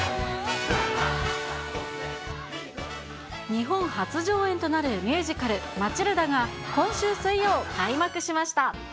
日本初上演となるミュージカル、マチルダが今週水曜、開幕しました。